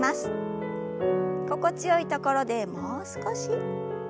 心地よいところでもう少し。